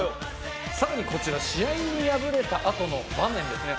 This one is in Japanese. さらにこちら試合に敗れたあとの場面ですね。